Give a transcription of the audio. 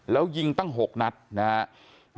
แล้วยิงตั้ง๖นัดนะครับ